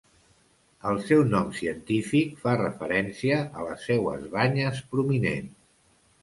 El seu nom científic fa referència a les seues banyes prominents.